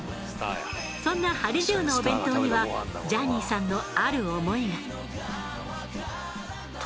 そんな「はり重」のお弁当にはジャニーさんのある想いが。